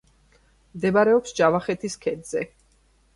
მდებარეობს ჯავახეთის ქედზე.